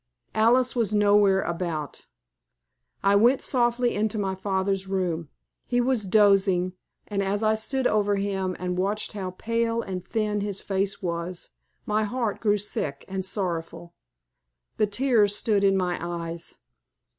Alice was nowhere about. I went softly into my father's room. He was dozing, and as I stood over him and saw how pale and thin his face was, my heart grew sick and sorrowful. The tears stood in my eyes.